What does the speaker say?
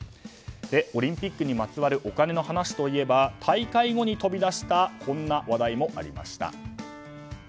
オリンピックにまつわるお金の話といえば大会後に飛び出したこんな話題もありました。